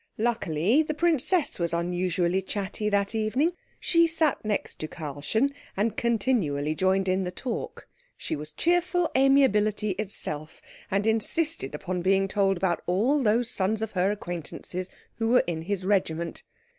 Luckily the princess was unusually chatty that evening. She sat next to Karlchen, and continually joined in the talk. She was cheerful amiability itself, and insisted upon being told all about those sons of her acquaintances who were in his regiment.